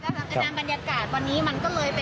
ก็คือแบบกระแนนบรรยากาศวันนี้มันก็เลยเป็นแบบบรรยากาศที่